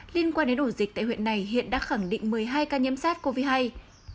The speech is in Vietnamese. liên quan đến ổ dịch tại huyện này hiện đã khẳng định một mươi hai ca nhiễm sát covid một mươi chín